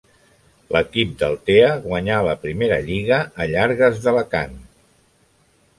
L'equip d'Altea guanyà la primera Lliga a Llargues d'Alacant.